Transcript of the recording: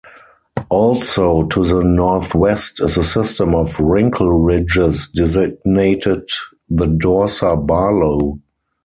Also to the northwest is a system of wrinkle ridges designated the Dorsa Barlow.